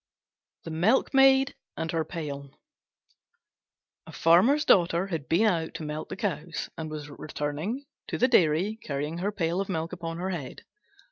THE MILKMAID AND HER PAIL A farmer's daughter had been out to milk the cows, and was returning to the dairy carrying her pail of milk upon her head.